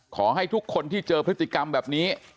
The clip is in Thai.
ขอให้ทุกคนที่เจอพฤติกรรมแบบนี้